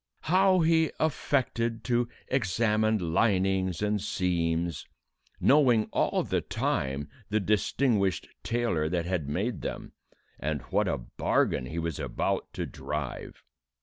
how he affected to examine linings and seams, knowing all the time the distinguished tailor that had made them, and what a bargain he was about to drive.